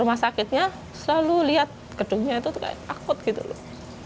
rumah sakitnya selalu lihat gedungnya itu kayak akut gitu loh